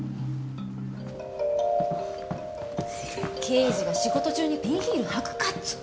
刑事が仕事中にピンヒール履くかっつーの。